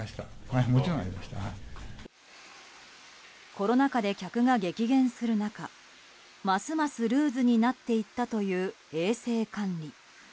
コロナ禍で客が激減する中ますますルーズになっていったという衛生管理。